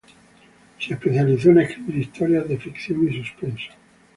Se especializó en escribir historias de ficción y suspenso.